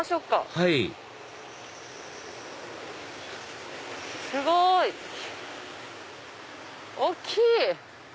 はいすごい！大きい！